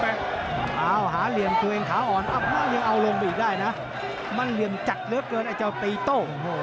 เอาหาเหลี่ยมตัวเองขาอ่อนยังเอาลงไปอีกได้นะมันเหลี่ยมจัดเหลือเกินไอ้เจ้าตีโต้